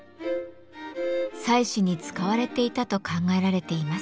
祭祀に使われていたと考えられています。